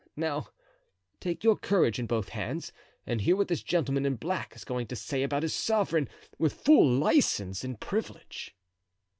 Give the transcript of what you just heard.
"Now take your courage in both hands and hear what this gentleman in black is going to say about his sovereign, with full license and privilege."